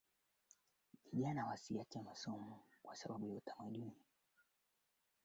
nchi ya Canada katika mgodi wa Diavik